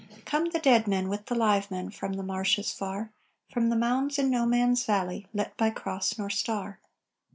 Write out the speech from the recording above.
"Come the dead men with the live men From the marshes far, From the mounds in no man's valley, Lit by cross nor star.